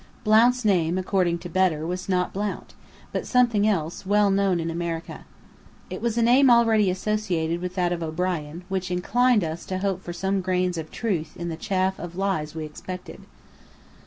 Blount's name, according to Bedr, was not Blount, but something else, well known in America. It was a name already associated with that of O'Brien, which inclined us to hope for some grains of truth in the chaff of lies we expected.